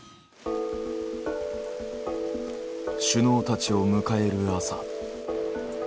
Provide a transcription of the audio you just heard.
首脳たちを迎える朝。